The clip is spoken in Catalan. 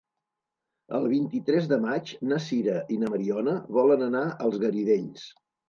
El vint-i-tres de maig na Sira i na Mariona volen anar als Garidells.